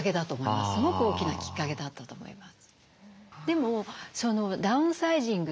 すごく大きなきっかけだったと思います。